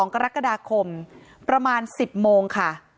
๒กรกฎาคมประมาณ๑๐โมงค่ะ